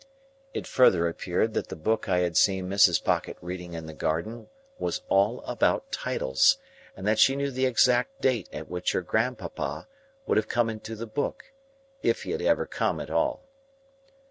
It further appeared that the book I had seen Mrs. Pocket reading in the garden was all about titles, and that she knew the exact date at which her grandpapa would have come into the book, if he ever had come at all.